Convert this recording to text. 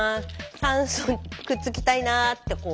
酸素くっつきたいな」ってこう。